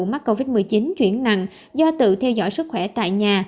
mắc covid một mươi chín chuyển nặng do tự theo dõi sức khỏe tại nhà